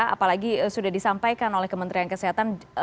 apalagi sudah disampaikan oleh kementerian kesehatan